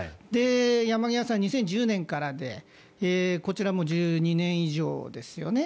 山際さんは２０１０年からでこちらも１２年以上ですよね。